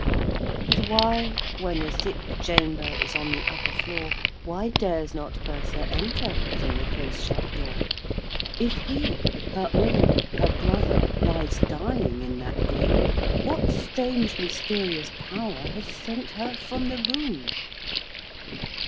III. But why—when the sick chamber Is on the upper floor— Why dares not Bertha enter Within the close shut door? If he—her all—her Brother, Lies dying in that gloom, What strange mysterious power Has sent her from the room?